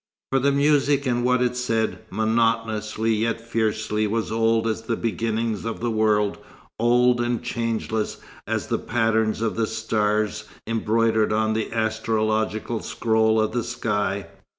For the music and what it said, monotonously yet fiercely, was old as the beginnings of the world, old and changeless as the patterns of the stars embroidered on the astrological scroll of the sky.